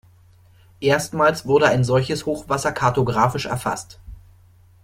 Erstmals wurde ein solches Hochwasser kartografisch erfasst.